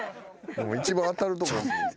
一番当たるとこ。